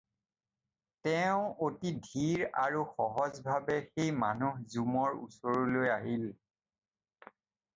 তেওঁ অতি ধীৰ আৰু সহজ ভাবে সেই মানুহ জুমৰ ওচৰলৈ আহিল।